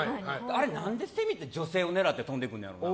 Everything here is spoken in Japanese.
あれ何でセミって女性を狙って飛んでくんのかな。